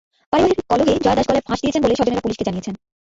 পারিবারিক কলহে জয়া দাস গলায় ফাঁস দিয়েছেন বলে স্বজনেরা পুলিশকে জানিয়েছেন।